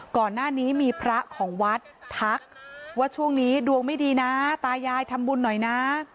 ก่อนหน้านี้มีพระของวัดทักว่าช่วงนี้ดวงไม่ดีนะตายายทำบุญหน่อยนะ